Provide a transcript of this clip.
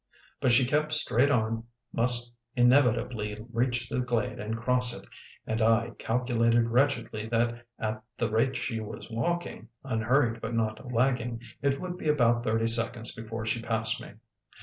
But she kept straight on, must inevitably reach the glade and cross it, and I calculated wretchedly that at the rate she was walking, unhurried but not lagging, it would be about thirty seconds before she passed me.